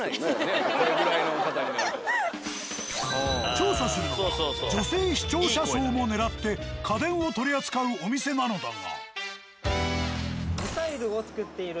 調査するのは女性視聴者層も狙って家電を取り扱うお店なのだが。